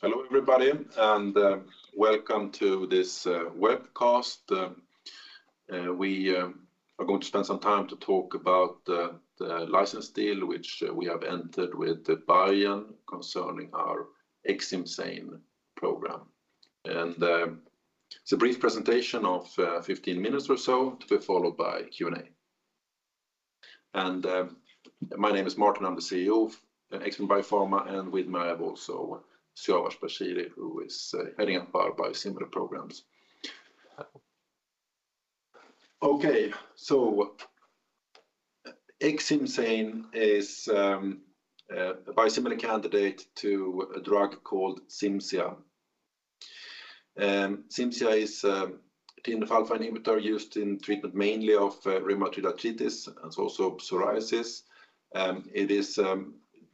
Hello everybody, and welcome to this webcast. We are going to spend some time to talk about the license deal which we have entered with Biogen concerning our Xcimzane program. It's a brief presentation of 15 minutes or so to be followed by Q&A. My name is Martin. I'm the CEO of Xbrane Biopharma, and with me I have also Siavash Bashiri, who is heading up our biosimilar programs. Okay. Xcimzane is a biosimilar candidate to a drug called Cimzia. Cimzia is a TNF alpha inhibitor used in treatment mainly of rheumatoid arthritis and also psoriasis. It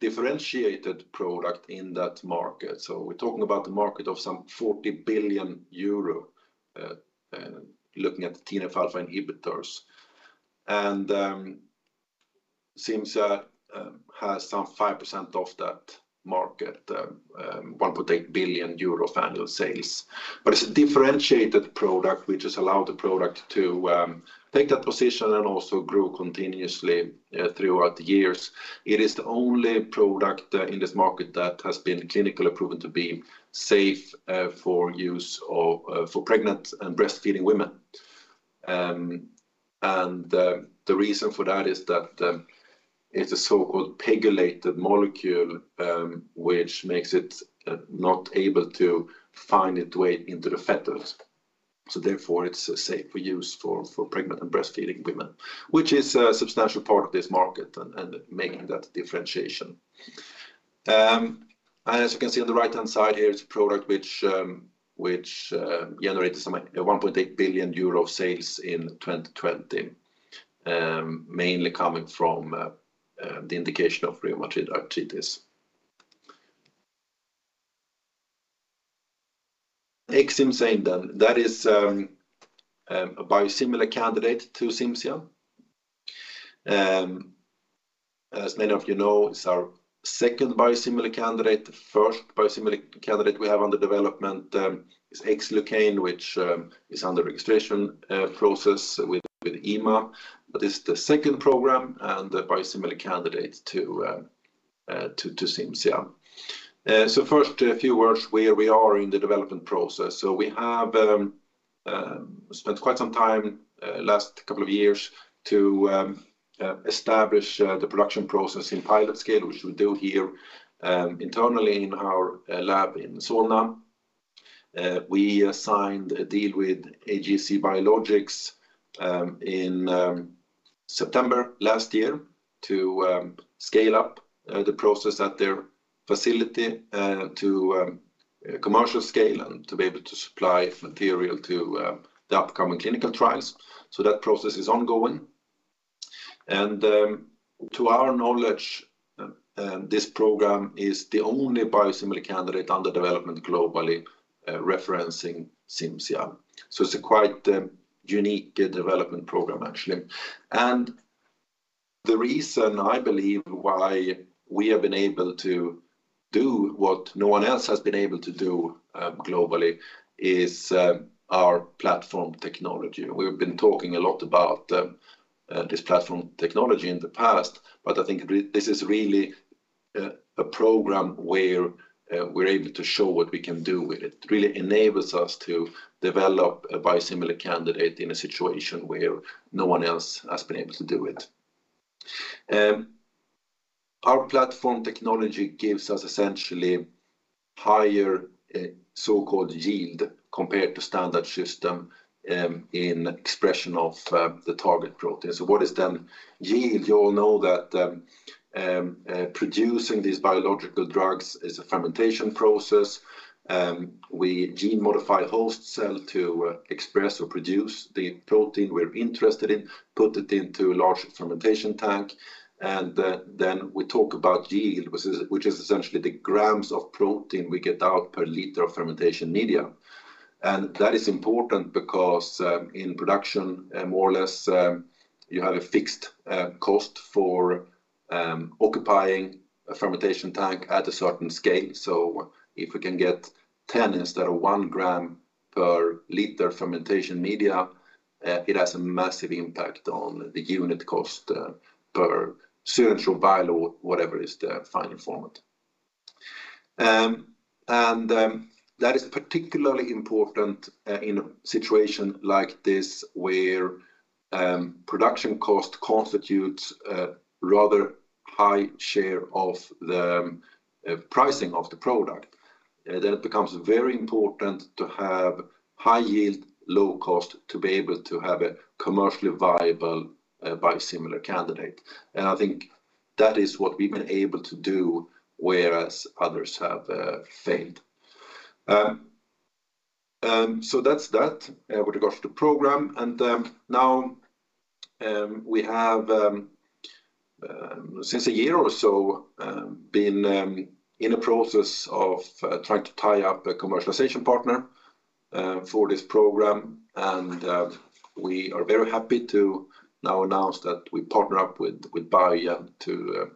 is differentiated product in that market. We're talking about a market of some 40 billion euro looking at TNF alpha inhibitors. Cimzia has some 5% of that market, 1.8 billion euro of annual sales. It's a differentiated product which has allowed the product to take that position and also grow continuously throughout the years. It is the only product in this market that has been clinically proven to be safe for pregnant and breastfeeding women. The reason for that is that it's a so-called pegylated molecule which makes it not able to find its way into the fetus. It's safe for pregnant and breastfeeding women, which is a substantial part of this market and making that differentiation. As you can see on the right-hand side here, it's a product which generated some 1.8 billion euro sales in 2020, mainly coming from the indication of rheumatoid arthritis. Xcimzane, then, that is, a biosimilar candidate to Cimzia. As many of you know, it's our second biosimilar candidate. First biosimilar candidate we have under development is Ximluci, which is under registration process with EMA. It's the second program and the biosimilar candidate to Cimzia. First a few words where we are in the development process. We have spent quite some time last couple of years to establish the production process in pilot scale, which we do here internally in our lab in Solna. We signed a deal with AGC Biologics in September last year to scale up the process at their facility to commercial scale and to be able to supply material to the upcoming clinical trials. That process is ongoing. To our knowledge, this program is the only biosimilar candidate under development globally referencing Cimzia. It's a quite unique development program actually. The reason I believe why we have been able to do what no one else has been able to do globally is our platform technology. We've been talking a lot about this platform technology in the past, but I think this is really a program where we're able to show what we can do with it. Really enables us to develop a biosimilar candidate in a situation where no one else has been able to do it. Our platform technology gives us essentially higher, so-called yield compared to standard system, in expression of the target protein. What is then yield? You all know that, producing these biological drugs is a fermentation process. We gene modify host cell to express or produce the protein we're interested in, put it into a large fermentation tank, and then we talk about yield, which is essentially the grams of protein we get out per liter of fermentation media. That is important because, in production, more or less, you have a fixed, cost for occupying a fermentation tank at a certain scale. If we can get 10 instead of 1 g/L fermentation media, it has a massive impact on the unit cost per syringe or vial or whatever is the final format. That is particularly important in a situation like this where production cost constitutes a rather high share of the pricing of the product. It becomes very important to have high yield, low cost to be able to have a commercially viable biosimilar candidate. I think that is what we've been able to do, whereas others have failed. That's that with regards to the program. Now we have since a year or so been in a process of trying to tie up a commercialization partner. For this program, we are very happy to now announce that we partner up with Biogen to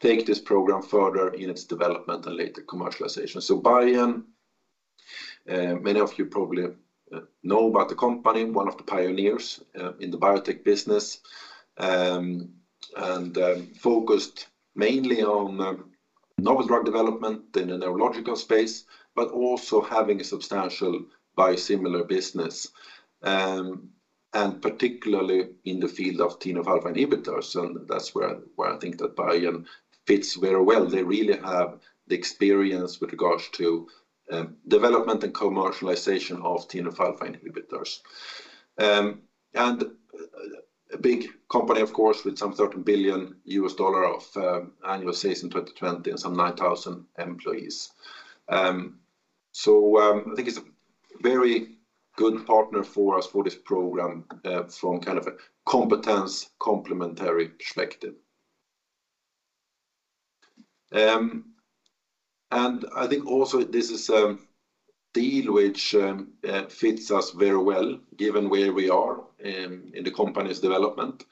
take this program further in its development and later commercialization. Biogen, many of you probably know about the company, one of the pioneers in the biotech business, and focused mainly on novel drug development in the neurological space, but also having a substantial biosimilar business, and particularly in the field of TNF alpha inhibitors. That's where I think that Biogen fits very well. They really have the experience with regards to development and commercialization of TNF alpha inhibitors. A big company, of course, with some $13 billion of annual sales in 2020 and some 9,000 employees. I think it's a very good partner for us for this program from kind of a competence complementary perspective. I think also this is a deal which fits us very well given where we are in the company's development.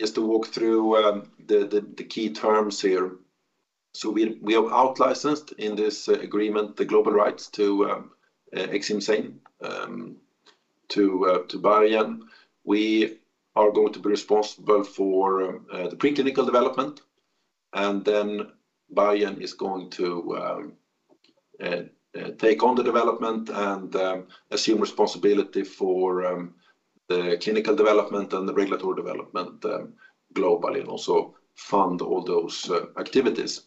Just to walk through the key terms here. We have outlicensed in this agreement the global rights to Xcimzane to Biogen. We are going to be responsible for the preclinical development, and then Biogen is going to take on the development and assume responsibility for the clinical development and the regulatory development globally, and also fund all those activities.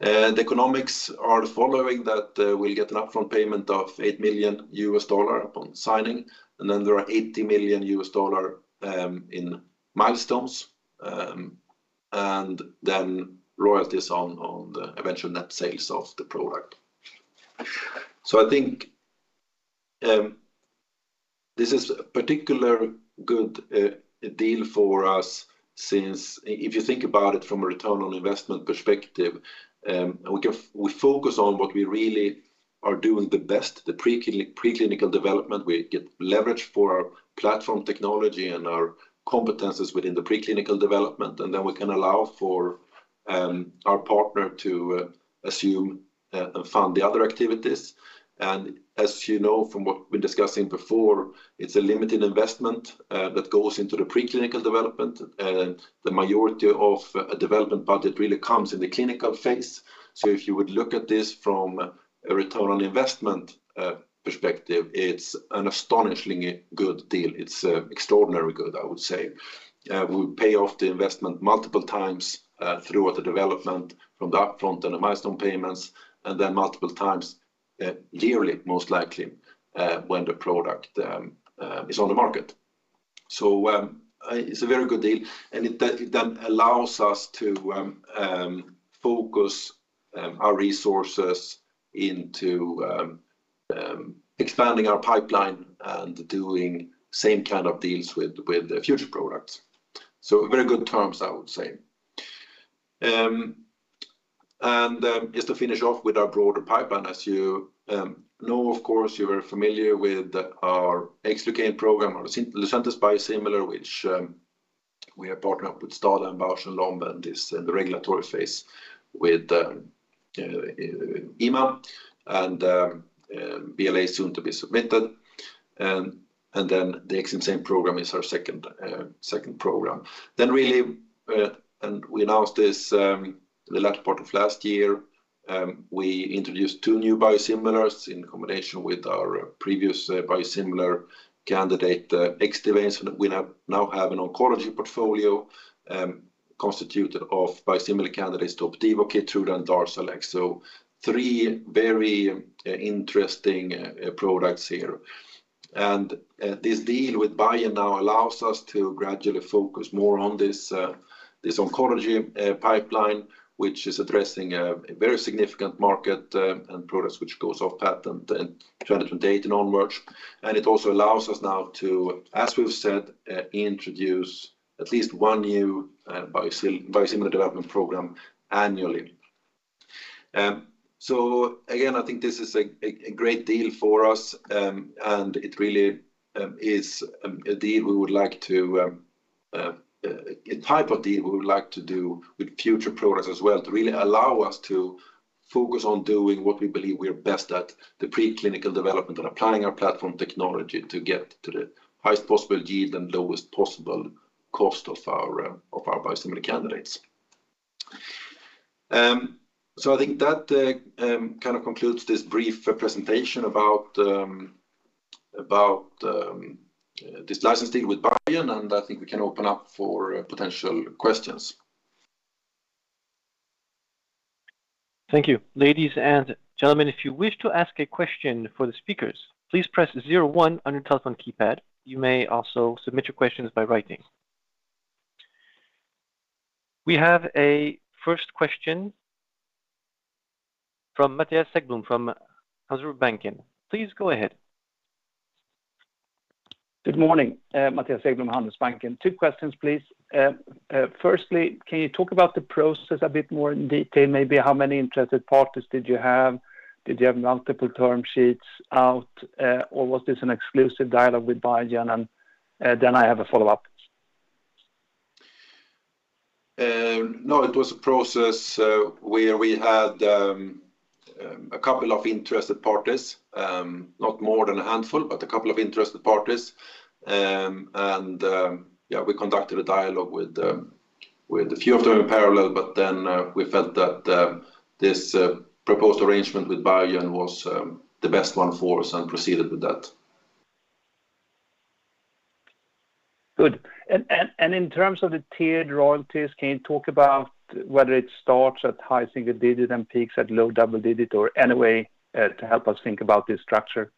The economics are the following that we'll get an upfront payment of $8 million upon signing, and then there are $80 million in milestones, and then royalties on the eventual net sales of the product. I think this is a particularly good deal for us since if you think about it from a return on investment perspective, we focus on what we really do best, the preclinical development. We get leverage for our platform technology and our competencies within the preclinical development. We can allow for our partner to assume and fund the other activities. As you know from what we're discussing before, it's a limited investment that goes into the preclinical development. The majority of a development budget really comes in the clinical phase. If you would look at this from a return on investment perspective, it's an astonishingly good deal. It's extraordinary good, I would say. We pay off the investment multiple times throughout the development from the upfront and the milestone payments, and then multiple times yearly, most likely, when the product is on the market. It's a very good deal, and it then allows us to focus our resources into expanding our pipeline and doing same kind of deals with the future products. Very good terms, I would say. Just to finish off with our broader pipeline, as you know, of course, you are familiar with our Ximluci program, Lucentis biosimilar, which we have partnered up with STADA and Bausch + Lomb and is in the regulatory phase with EMA, and BLA soon to be submitted. The Xcimzane program is our second program. We announced this the latter part of last year, we introduced two new biosimilars in combination with our previous biosimilar candidate, Xdivane. We now have an oncology portfolio constituted of biosimilar candidates Opdivo, Keytruda, and Darzalex. Three very interesting products here. This deal with Biogen now allows us to gradually focus more on this oncology pipeline, which is addressing a very significant market, and products which goes off patent in 2028 and onwards. It also allows us now to, as we've said, introduce at least one new biosimilar development program annually. Again, I think this is a great deal for us. It really is a type of deal we would like to do with future products as well to really allow us to focus on doing what we believe we're best at, the preclinical development and applying our platform technology to get to the highest possible yield and lowest possible cost of our biosimilar candidates. I think that kind of concludes this brief presentation about this license deal with Biogen, and I think we can open up for potential questions. Thank you. Ladies and gentlemen, if you wish to ask a question for the speakers, please press zero-one on your telephone keypad. You may also submit your questions by writing. We have a first question from Mattias Häggblom, from Handelsbanken. Please go ahead. Good morning. Mattias Häggblom, Handelsbanken. Two questions please. Firstly, can you talk about the process a bit more in detail? Maybe how many interested parties did you have? Did you have multiple term sheets out, or was this an exclusive dialogue with Biogen? I have a follow-up. No, it was a process where we had a couple of interested parties. Not more than a handful, but a couple of interested parties. We conducted a dialogue with a few of them in parallel, but then we felt that this proposed arrangement with Biogen was the best one for us and proceeded with that. Good. In terms of the tiered royalties, can you talk about whether it starts at high single digit and peaks at low double digit or any way to help us think about this structure?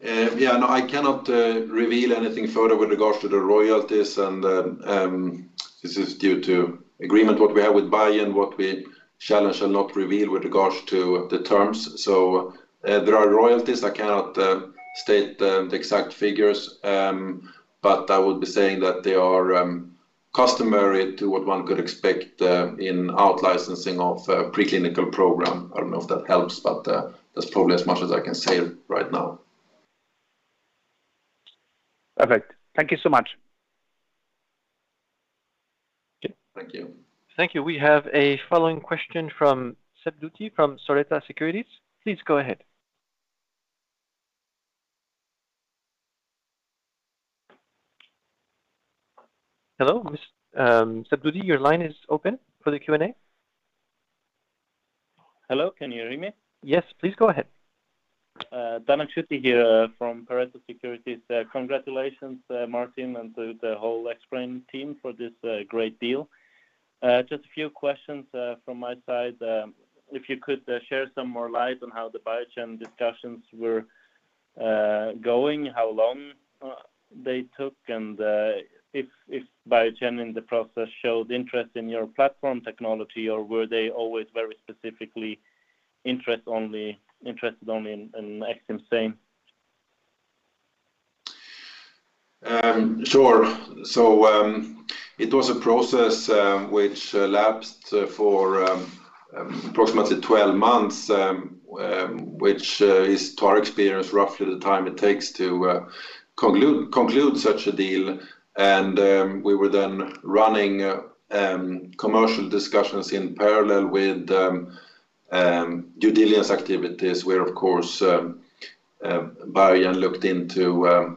Yeah, no, I cannot reveal anything further with regards to the royalties and this is due to agreement what we have with Biogen, what we shall and shall not reveal with regards to the terms. There are royalties. I cannot state the exact figures, but I would be saying that they are customary to what one could expect in out-licensing of a preclinical program. I don't know if that helps, but that's probably as much as I can say right now. Perfect. Thank you so much. Okay. Thank you. Thank you. We have a following question from Dan Akschuti from Pareto Securities. Please go ahead. Hello, Mr. Dan Akschuti, your line is open for the Q&A. Hello, can you hear me? Yes. Please go ahead. Dan Akschuti here from Pareto Securities. Congratulations, Martin, and to the whole Xbrane team for this great deal. Just a few questions from my side. If you could shed some more light on how the Biogen discussions were going, how long they took and if Biogen in the process showed interest in your platform technology or were they always very specifically interested only in Xcimzane? Sure. It was a process which lasted for approximately 12 months, which is in our experience roughly the time it takes to conclude such a deal. We were then running commercial discussions in parallel with due diligence activities where of course Biogen looked into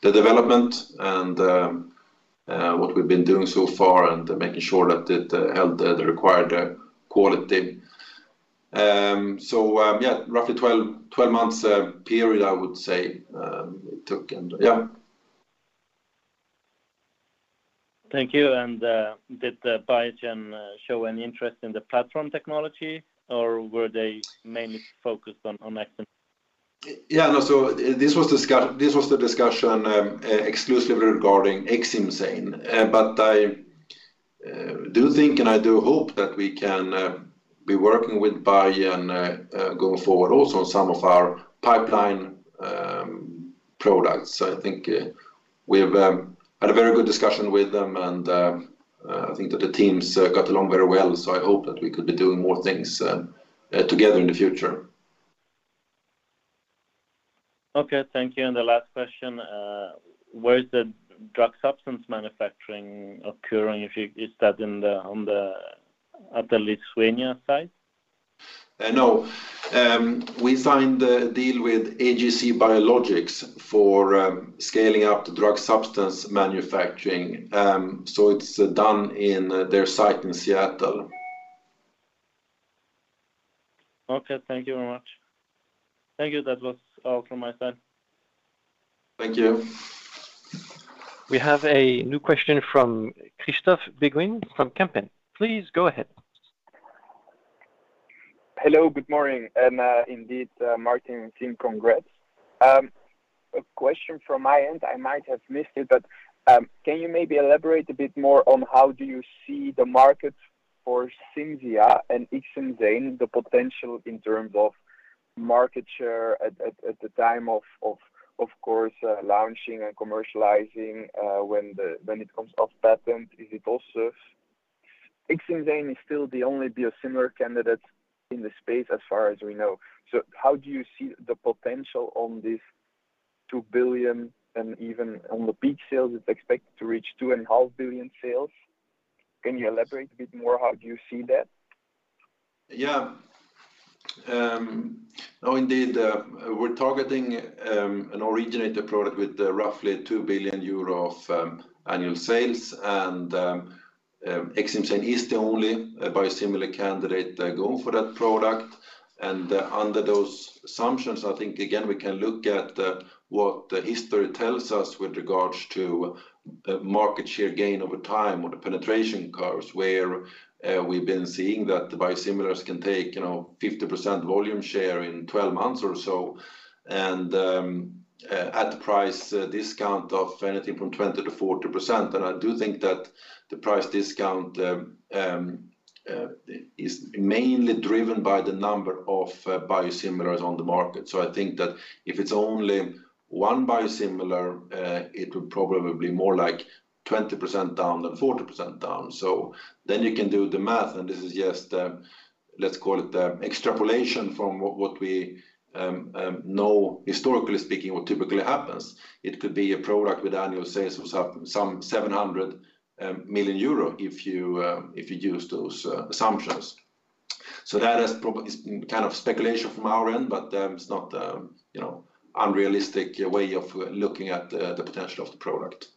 the development and what we've been doing so far and making sure that it held the required quality. Yeah, roughly 12 months period I would say it took and yeah. Thank you. Did Biogen show any interest in the platform technology or were they mainly focused on Xcimzane? Yeah. No. This was the discussion exclusively regarding Xcimzane. But I do think and I do hope that we can be working with Biogen going forward also on some of our pipeline products. I think we've had a very good discussion with them and I think that the teams got along very well. I hope that we could be doing more things together in the future. Okay. Thank you. The last question, where is the drug substance manufacturing occurring? Is that at the Lithuania site? No. We signed the deal with AGC Biologics for scaling up the drug substance manufacturing. It's done in their site in Seattle. Okay. Thank you very much. Thank you. That was all from my side. Thank you. We have a new question from Christophe Beghin from Kempen. Please go ahead. Hello. Good morning. Indeed, Martin and team, congrats. A question from my end, I might have missed it, but can you maybe elaborate a bit more on how do you see the market for Cimzia and Ixekizumab, the potential in terms of market share at the time of course launching and commercializing when it comes off patent? Is it also Ixekizumab is still the only biosimilar candidate in the space as far as we know. So how do you see the potential on this $2 billion and even on the peak sales it's expected to reach $2.5 billion sales? Can you elaborate a bit more how you see that? Yeah. No, indeed, we're targeting an originator product with roughly 2 billion euro of annual sales. ixekizumab is the only biosimilar candidate going for that product. Under those assumptions, I think again, we can look at what history tells us with regards to market share gain over time or the penetration curves where we've been seeing that the biosimilars can take, you know, 50% volume share in 12 months or so. At price discount of anything from 20%-40%. I do think that the price discount is mainly driven by the number of biosimilars on the market. I think that if it's only one biosimilar, it will probably be more like 20% down than 40% down. You can do the math, and this is just, let's call it the extrapolation from what we know historically speaking what typically happens. It could be a product with annual sales of some 700 million euro if you use those assumptions. That is, it's kind of speculation from our end, but it's not, you know, unrealistic way of looking at the potential of the product.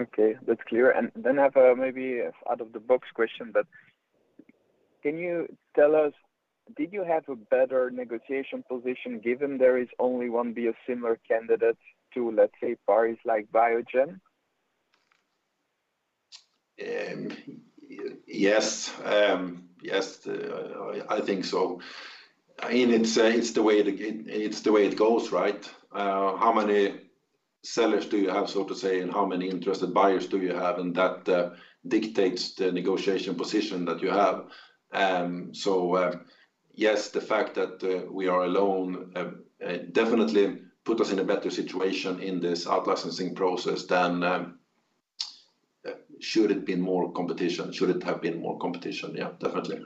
Okay, that's clear. I have a maybe out-of-the-box question, but can you tell us did you have a better negotiation position given there is only one biosimilar candidate to, let's say, parties like Biogen? Yes, I think so. I mean, it's the way it goes, right? How many sellers do you have, so to say, and how many interested buyers do you have, and that dictates the negotiation position that you have. Yes, the fact that we are alone definitely put us in a better situation in this out-licensing process than should it have been more competition. Yeah, definitely.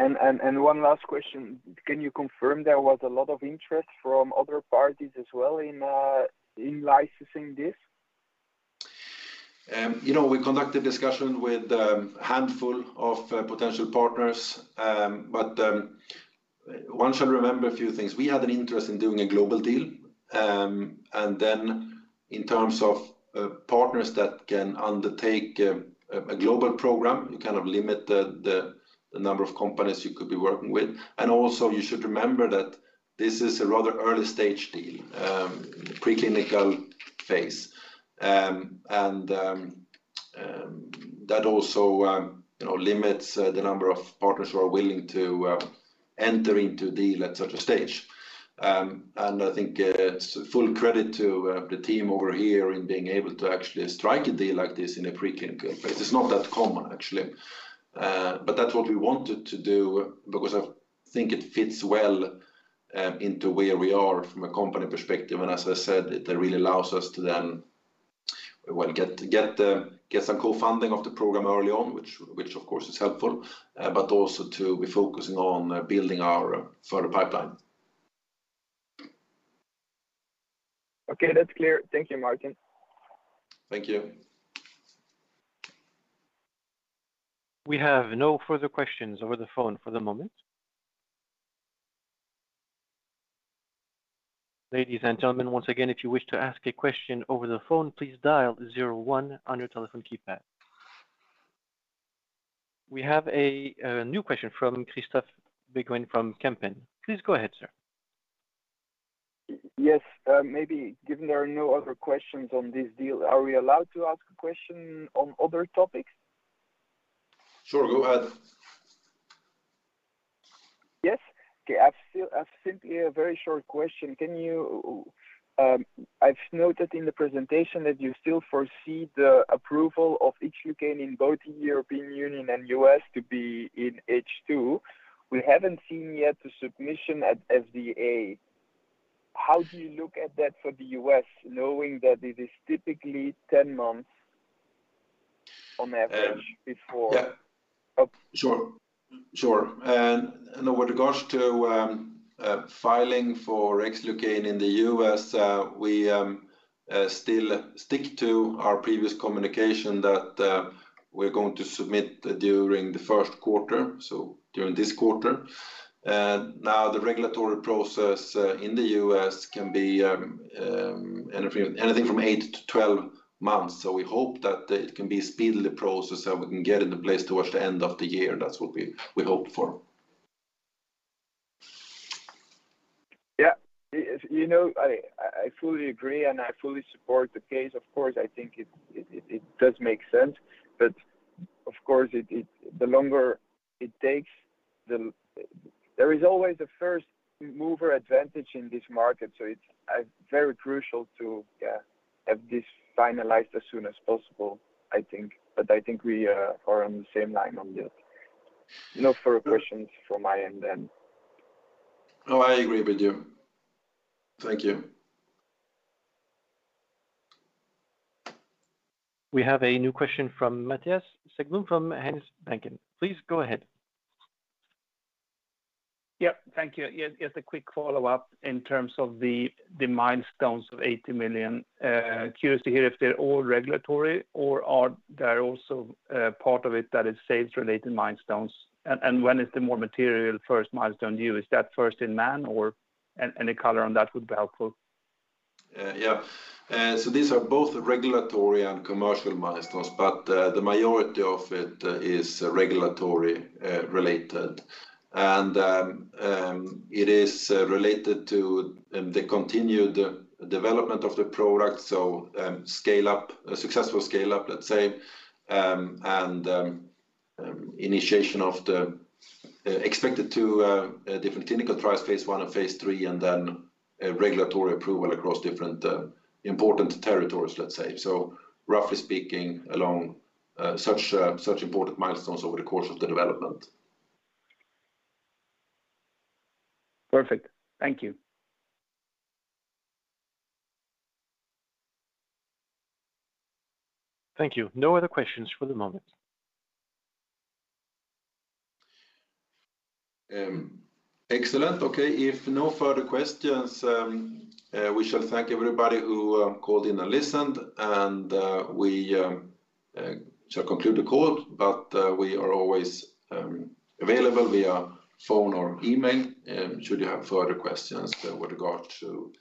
One last question. Can you confirm there was a lot of interest from other parties as well in licensing this? You know, we conducted discussion with a handful of potential partners. One should remember a few things. We had an interest in doing a global deal. In terms of partners that can undertake a global program, you kind of limit the number of companies you could be working with. You should remember that this is a rather early stage deal, preclinical phase that also you know limits the number of partners who are willing to enter into deal at such a stage. I think full credit to the team over here in being able to actually strike a deal like this in a preclinical phase. It's not that common actually. That's what we wanted to do because I think it fits well into where we are from a company perspective. As I said, it really allows us to then, well, get some co-funding of the program early on, which of course is helpful, but also to be focusing on building our further pipeline. Okay. That's clear. Thank you, Martin. Thank you. We have no further questions over the phone for the moment. Ladies and gentlemen, once again, if you wish to ask a question over the phone, please dial zero one on your telephone keypad. We have a new question from Christophe Beghin from Kempen. Please go ahead, sir. Yes, maybe given there are no other questions on this deal, are we allowed to ask a question on other topics? Sure. Go ahead. Yes. Okay. I've simply a very short question. Can you, I've noted in the presentation that you still foresee the approval of Ximluci in both European Union and U.S. to be in H2. We haven't seen yet the submission at FDA. How do you look at that for the U.S. knowing that it is typically 10 months on average before- Yeah. Oh. Sure. With regards to filing for Xdivane in the U.S., we still stick to our previous communication that we're going to submit during the first quarter, so during this quarter. Now the regulatory process in the U.S. can be anything from 8-12 months. We hope that it can speed up the process so we can get it in place towards the end of the year. That's what we hope for. Yeah, you know, I fully agree, and I fully support the case. Of course, I think it does make sense, but of course, the longer it takes. There is always a first mover advantage in this market, so it's very crucial to have this finalized as soon as possible, I think. I think we are on the same line on this. No further questions from my end then. No, I agree with you. Thank you. We have a new question from Mattias Häggblom from Handelsbanken. Please go ahead. Thank you. Just a quick follow-up in terms of the milestones of 80 million. Curious to hear if they're all regulatory or are there also part of it that is sales related milestones. When is the more material first milestone due? Is that first in man or any color on that would be helpful. These are both regulatory and commercial milestones, but the majority of it is regulatory-related. It is related to the continued development of the product. Scale up, a successful scale up, let's say. Initiation of two different clinical trials, phase I and phase III, and then regulatory approval across different important territories, let's say. Roughly speaking, along such important milestones over the course of the development. Perfect. Thank you. Thank you. No other questions for the moment. Excellent. Okay. If no further questions, we shall thank everybody who called in and listened, and we shall conclude the call. We are always available via phone or email, should you have further questions with regard to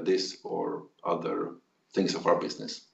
this or other things of our business.